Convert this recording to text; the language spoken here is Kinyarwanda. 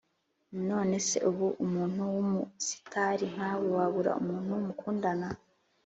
none se ubu, umuntu w’umusitari nkawe wabura umuntu mukundana,